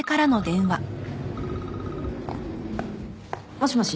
もしもし。